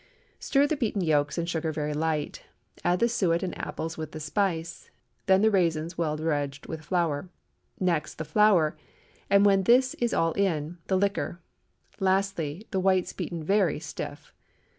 Stir the beaten yolks and sugar very light, add the suet and apples with the spice; then the raisins, well dredged with flour; next the flour, and when this is all in, the liquor; lastly the whites beaten very stiff.